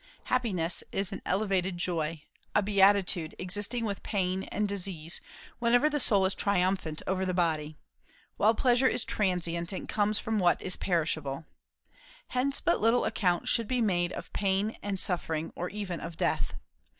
Happiness is an elevated joy, a beatitude, existing with pain and disease, when the soul is triumphant over the body; while pleasure is transient, and comes from what is perishable. Hence but little account should be made of pain and suffering, or even of death.